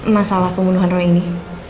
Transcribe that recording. masalah pembunuhan roy ini